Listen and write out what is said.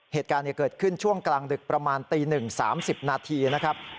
เหตุการณ์เกิดขึ้นช่วงกลางดึกประมาณตี๑๓๐นาทีนะครับ